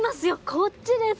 こっちです！